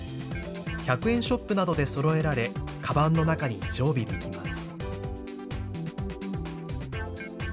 １００円ショップなどでそろえられ、かばんの中に常備できます。